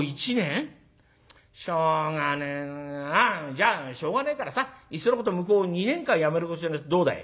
じゃあしょうがねえからさいっそのこと向こう２年間やめることにするのはどうだい？」。